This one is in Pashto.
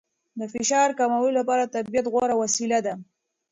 د فشار کمولو لپاره طبیعت غوره وسیله ده.